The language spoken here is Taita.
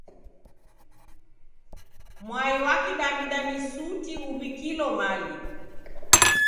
Mwa wa Kidaw'ida ni suti uw'ikilo mali.